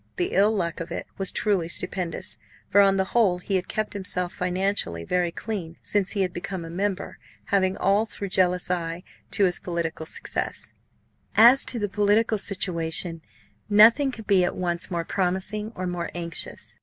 The ill luck of it was truly stupendous; for on the whole he had kept himself financially very clean since he had become a member; having all through a jealous eye to his political success. As to the political situation, nothing could be at once more promising or more anxious!